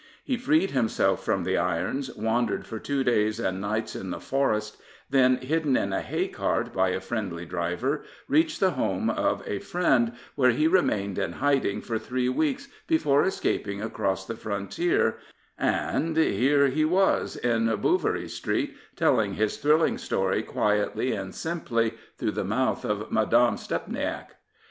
He freed himself from the irons, wandered for two days and nights in the forest, then, hidden in a hay cart by a friendly driver, reached the home of a friend, where he remained in hiding for three weeks before escaping across the frontier, and — ^here he was in Bouverie Street telling his thrilling story quietly and simply through the mouth of Madame Stepniak.